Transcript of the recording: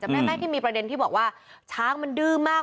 ได้ไหมที่มีประเด็นที่บอกว่าช้างมันดื้อมาก